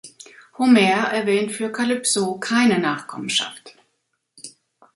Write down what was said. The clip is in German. Homer erwähnt für Kalypso keine Nachkommenschaft.